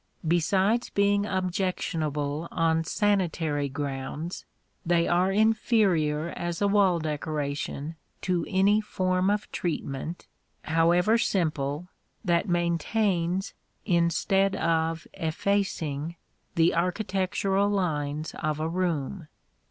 Besides being objectionable on sanitary grounds, they are inferior as a wall decoration to any form of treatment, however simple, that maintains, instead of effacing, the architectural lines of a room.